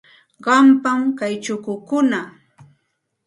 Qampam kay chukukuna.